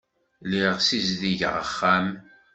Lliɣ ssizdigeɣ axxam.